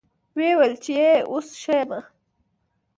ويې ويل چې يه اوس ښه يمه.